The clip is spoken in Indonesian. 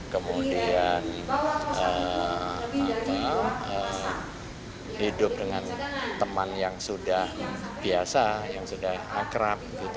kemudian hidup dengan teman yang sudah biasa yang sudah akrab